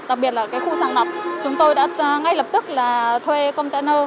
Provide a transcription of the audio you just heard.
đặc biệt là khu sàng lọc chúng tôi đã ngay lập tức là thuê container